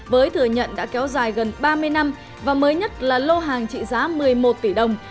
với thừa nhận đã kéo dài gần ba mươi năm và mới nhất là lô hàng trị giá một mươi một tỷ đồng